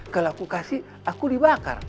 kalau aku kasih aku dibakar